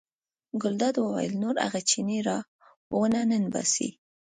ګلداد وویل نور هغه چینی را ونه ننباسئ.